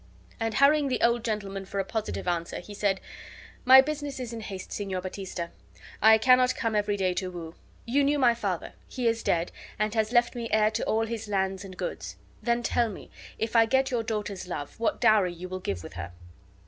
And hurrying the old gentleman for a positive answer, he said: "My business is in haste, Signor Baptista. I cannot come every day to woo. You knew my father. He is dead, and has left me heir to all his lands and goods. Then tell me, if I get your daughter's love, what dowry you will give with her."